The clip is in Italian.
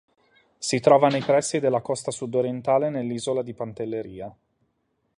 Si trova nei pressi della costa sud-orientale dell'isola di Pantelleria.